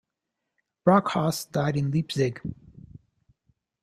Brockhaus died in Leipzig.